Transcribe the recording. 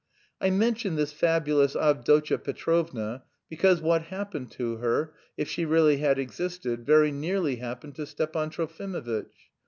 I mention this fabulous Avdotya Petrovna because what happened to her (if she really had existed) very nearly happened to Stepan Trofimovitch.